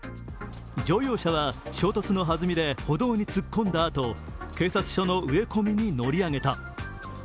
乗用車は衝突のはずみで歩道に突っ込んだあと、警察署の植え込みに乗り上げた。